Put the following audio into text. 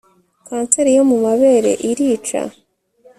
kanseri yo mumabere irica